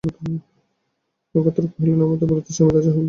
নক্ষত্ররায় কহিলেন, আপনি বলিতেছেন আমি রাজা হইব?